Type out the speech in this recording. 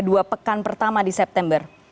dua pekan pertama di september